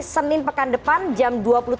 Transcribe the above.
senin pekan depan jam dua puluh tiga